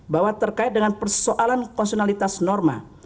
bahwa terkait dengan persoalan konsionalitas norma